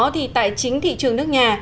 thì tại chính thị trường nước nhà